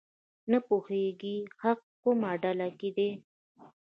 نه پوهېږي حق کومه ډله کې دی.